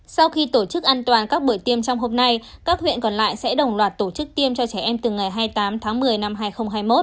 sau khi tổ chức an toàn các buổi tiêm trong hôm nay các huyện còn lại sẽ đồng loạt tổ chức tiêm cho trẻ em từ ngày hai mươi tám tháng một mươi năm hai nghìn hai mươi một